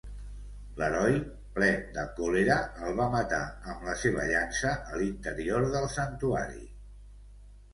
L'heroi, ple de còlera, el va matar amb la seva llança a l'interior del santuari.